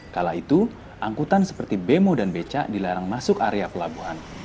kala itu angkutan seperti bemo dan beca dilarang masuk area pelabuhan